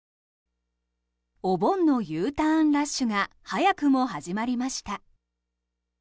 お盆のＵターンラッシュが早くも始まりました。